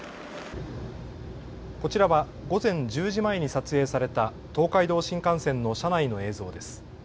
こちらは午前１０時前に撮影された東海道新幹線の車内の映像です。